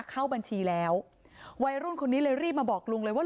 เข้าบัญชีแล้ววัยรุ่นคนนี้เลยรีบมาบอกลุงเลยว่า